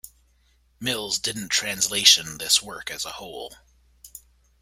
Mills didn't translation this work as a whole.